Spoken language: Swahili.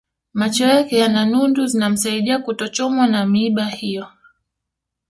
Macho yake yana nundu zinamsaidia kutochomwa na miiba hiyo